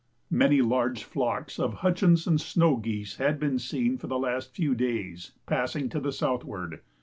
Many large flocks of Hutchins and snow geese had been seen for the last few days passing to the southward.